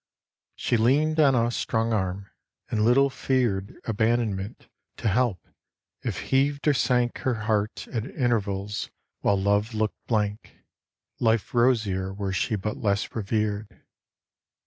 She leaned on a strong arm, and little feared Abandonment to help if heaved or sank Her heart at intervals while Love looked blank, Life rosier were she but less revered.